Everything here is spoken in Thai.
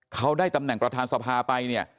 เขาได้ตำแหน่งประธานสภาไปเนี่ย